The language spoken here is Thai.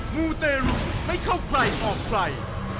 มูเตรลุกก็เข้าใครออกไฟ